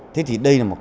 thế thì đây là một việc